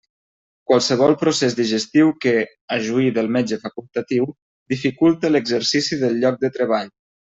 Qualsevol procés digestiu que, a juí del metge facultatiu, dificulte l'exercici del lloc de treball.